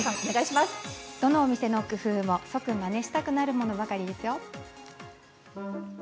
どの店の工夫も即まねしたくなるものばかりですよ。